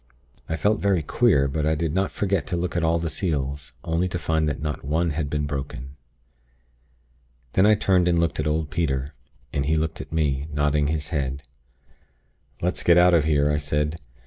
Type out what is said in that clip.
I felt very queer; but I did not forget to look at all the seals, only to find that not one had been broken. "Then I turned and looked at old Peter, and he looked at me, nodding his head. "'Let's get out of here!' I said.